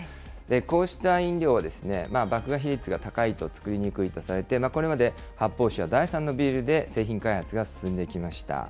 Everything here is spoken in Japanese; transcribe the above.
こうした飲料は、麦芽比率が高いと造りにくいとされて、これまで発泡酒や第３のビールで製品開発が進んできました。